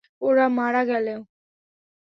ওরা মারা গেলো!